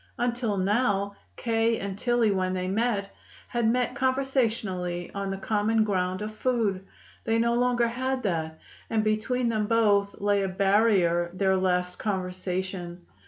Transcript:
Until now, K. and Tillie, when they met, had met conversationally on the common ground of food. They no longer had that, and between them both lay like a barrier their last conversation.